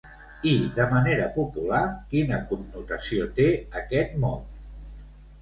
I de manera popular, quina connotació té aquest mot?